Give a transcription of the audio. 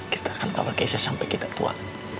kita akan kawal kesha sampai kita tua